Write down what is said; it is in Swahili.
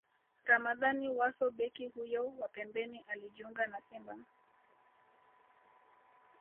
Ramadhani Wasso Beki huyo wa pembeni alijiunga na Simba